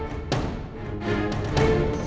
aku sudah berpikir